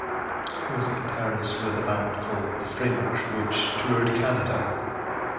He was a guitarist with a band called "The Fringe", which toured Canada.